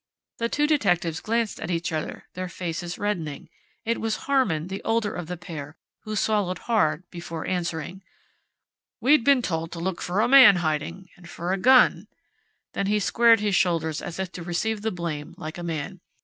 The two detectives glanced at each other, their faces reddening. It was Harmon, the older of the pair, who swallowed hard before answering: "We'd been told to look for a man hiding, and for a gun " Then he squared his shoulders as if to receive the blame like a man.